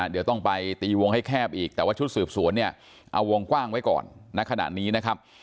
เดี๋ยวต้องไปตีวงให้แคบอีกแต่ว่าชุดสืบสวนเนี่ยเอาวงกว้างไว้ก่อนณขณะนี้นะครับ